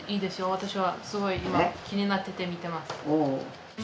私はすごい今気になってて見てます。